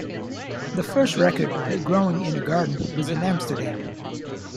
The first record of it growing in a garden was in Amsterdam.